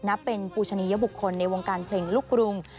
นับเป็นปูชนียบุคคลในวงการเพลงลูกกรุง